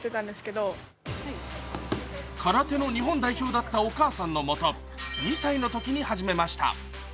空手の日本代表だったお母さんのもと２歳のとに始めました。